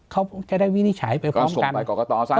เขาจะได้วินิจฉัยไปพร้อมกันก็ส่งไปกอกกะตอสัก